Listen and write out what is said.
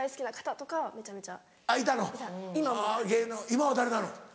今は誰なの？